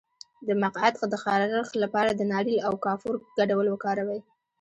د مقعد د خارښ لپاره د ناریل او کافور ګډول وکاروئ